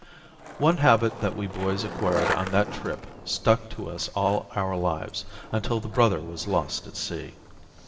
One habit that we boys acquired on that trip stuck to us all our lives, until the brother was lost at sea.